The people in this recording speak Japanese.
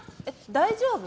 大丈夫？